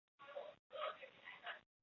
网檐南星是天南星科天南星属的植物。